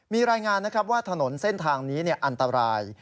มีรายงานนะครับว่าถนนเส้นทางนี้อันตราย